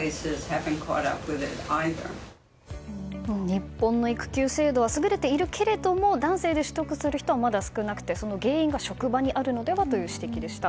日本の育休制度は優れているけれども男性で取得する人はまだ少なくてその原因が職場にあるのではという指摘でした。